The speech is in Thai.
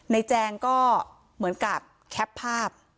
แจงก็เหมือนกับแคปภาพ